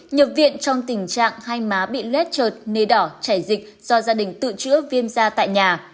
nhập viện trong tình trạng hai má bị lết trượt nề đỏ chảy dịch do gia đình tự chữa viêm da tại nhà